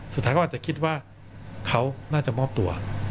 สุดท้ายเขาอาจจะคิดว่าเขาน่าจะมอบตัว